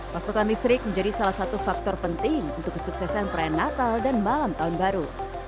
pasokan listrik menjadi salah satu faktor penting untuk kesuksesan perayaan natal dan malam tahun baru